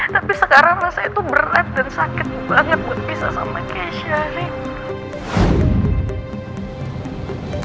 tapi sekarang rasa itu berat dan sakit banget buat bisa sama kayak sharing